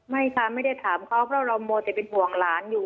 ไม่ค่ะไม่ได้ถามเขาเพราะเรามัวแต่เป็นห่วงหลานอยู่